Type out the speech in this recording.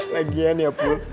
lagian ya pul